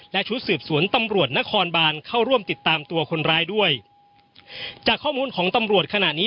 และชุดสืบสวนตำรวจนครบานเข้าร่วมติดตามตัวคนร้ายด้วยจากข้อมูลของตำรวจขณะนี้